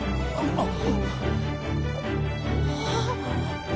あっ。